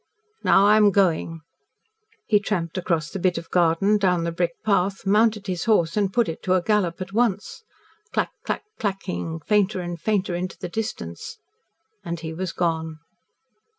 Now I am going." He tramped across the bit of garden, down the brick path, mounted his horse and put it to a gallop at once. Clack, clack, clack clacking fainter and fainter into the distance and he was gone.